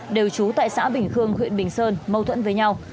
đều trú tại xã bình khương huyện bình sơn mâu thuẫn với nhau